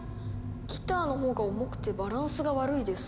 ギターのほうが重くてバランスが悪いです。